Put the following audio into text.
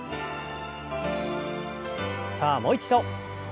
さあもう一度。